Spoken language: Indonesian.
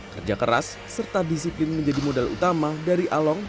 kerja keras serta disiplin menjadi modal utama dari along